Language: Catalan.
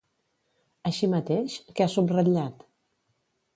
Així mateix, què ha subratllat?